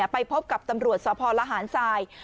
ไปพบกับตำรวจสพลหารทราย